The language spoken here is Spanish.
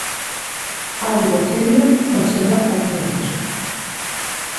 Aulo Gelio conserva fragmentos.